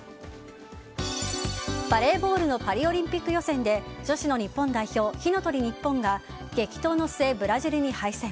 バレーボールのパリオリンピック予選で女子の日本代表火の鳥ＮＩＰＰＯＮが激闘の末、ブラジルに敗戦。